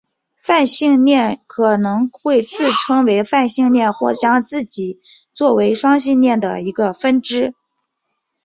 泛性恋可能会自称为泛性恋或将自己做为双性恋的一个分支。